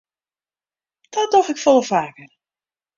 Dat doch ik folle faker.